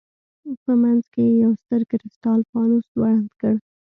په منځ کې یې یو ستر کرسټال فانوس ځوړند کړ.